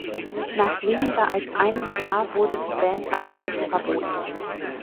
Nach weniger als einem Jahr wurde die Band allerdings verboten.